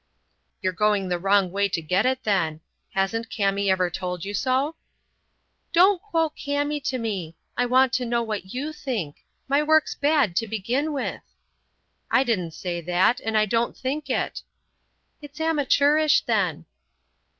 "You're going the wrong way to get it, then. Hasn't Kami ever told you so?" "Don't quote Kami to me. I want to know what you think. My work's bad, to begin with." "I didn't say that, and I don't think it." "It's amateurish, then."